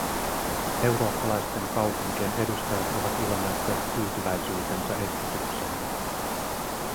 Eurooppalaisten kaupunkien edustajat ovat ilmaisseet tyytyväisyytensä ehdotukseeni.